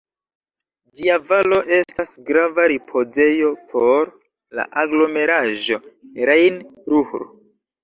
Ĝia valo estas grava ripozejo por la aglomeraĵo Rejn-Ruhr.